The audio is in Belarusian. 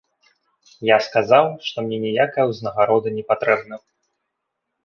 Я сказаў, што мне ніякая ўзнагарода не патрэбна.